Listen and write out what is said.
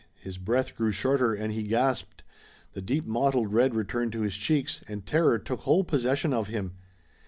His breath grew shorter and he gasped. The deep mottled red returned to his cheeks, and terror took whole possession of him.